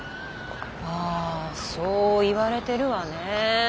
ああそういわれてるわね。